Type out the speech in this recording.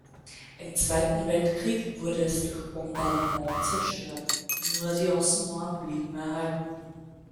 Im Zweiten Weltkrieg wurde es durch Bombardement zerstört; nur die Außenmauern blieben erhalten.